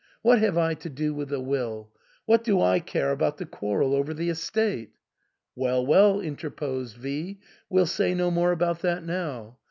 What have I to do with the will ? What do I care about the quarrel over the estate?" "Well, well," interposed V ," we'll say no more about that now.